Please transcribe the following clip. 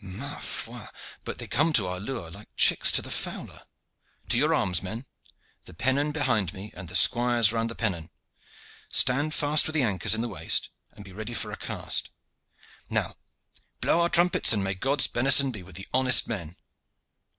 Ma foi! but they come to our lure like chicks to the fowler. To your arms, men! The pennon behind me, and the squires round the pennon. Stand fast with the anchors in the waist, and be ready for a cast. Now blow out the trumpets, and may God's benison be with the honest men!"